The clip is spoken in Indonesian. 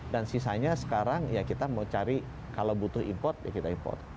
dan sisanya sekarang ya kita mau cari kalau butuh import ya kita import